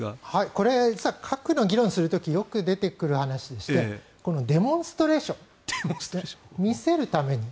これは核の議論をする時によく出てくる話でしてデモンストレーション見せるために。